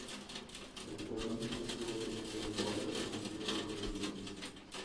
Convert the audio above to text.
El pregón estuvo lleno de recuerdos emotivos de juventud.